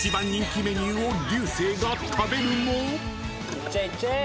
いっちゃえいっちゃえ。